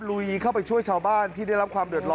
ลุยเข้าไปช่วยชาวบ้านที่ได้รับความเดือดร้อ